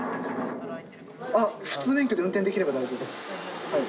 あ普通免許で運転できれば大丈夫。